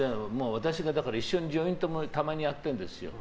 私が一瞬ジョイントもたまにやってるんですよ。